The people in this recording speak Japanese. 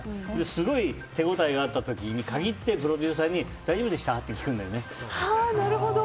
すごい手応えがあった時に限ってプロデューサーに大丈夫でした？って聞くんだよね。